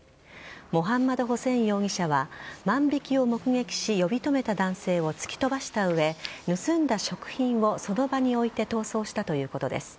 モハンマドホセイン容疑者は万引きを目撃し呼び止めた男性を突き飛ばした上盗んだ食品をその場に置いて逃走したということです。